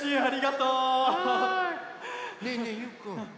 ねえねえゆうくん。